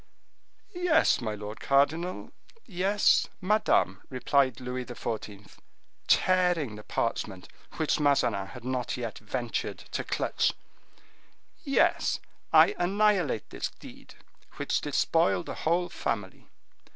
"Yes, my lord cardinal; yes, madame," replied Louis XIV., tearing the parchment which Mazarin had not yet ventured to clutch; "yes, I annihilate this deed, which despoiled a whole family.